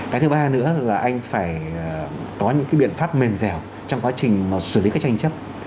cái thứ ba nữa là anh phải có những cái biện pháp mềm dẻo trong quá trình xử lý các tranh chấp